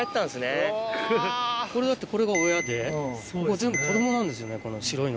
これだってこれが親で全部子供なんですよねこの白いの。